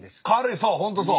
そう本当そう！